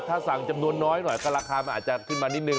ถ้าสั่งจำนวนน้อยหน่อยก็ราคามันอาจจะขึ้นมานิดนึ